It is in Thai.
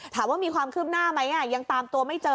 ถามว่ามีความคืบหน้าไหมยังตามตัวไม่เจอ